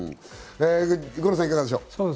五郎さん、いかがでしょう？